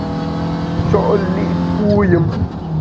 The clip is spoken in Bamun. Sho’ li’ puyùm !